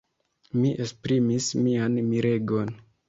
Mi esprimis mian miregon.